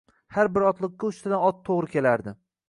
Har bir otliqqa uchtadan ot to`g`ri kelardi